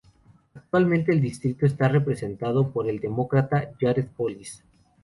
Actualmente el distrito está representado por el Demócrata Jared Polis.